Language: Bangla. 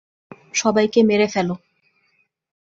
সবাইকে মেরে ফেলো!